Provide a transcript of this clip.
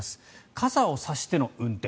傘を差しての運転。